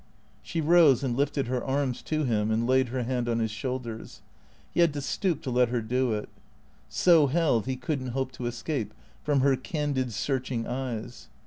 She rose and lifted her arms to him and laid her hand on his shoulders. He had to stoop to let her do it. So held, he could n't hope to escape from her candid, searching eyes.